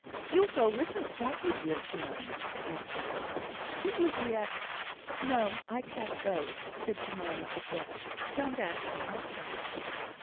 "You'll go with us, won't you, dear Jemima?" asked Elizabeth; "it will be at " "No! I can't go!" said Jemima, abruptly. "Don't ask me I can't."